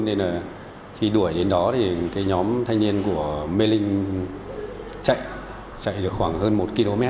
nên là khi đuổi đến đó thì cái nhóm thanh niên của mê linh chạy chạy được khoảng hơn một km